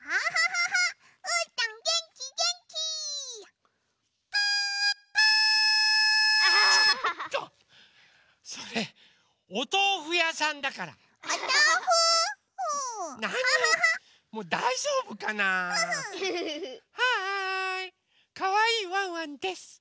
ハイかわいいワンワンです！